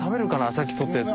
さっき取ったやつ。